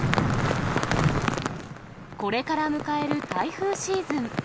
これから迎える台風シーズン。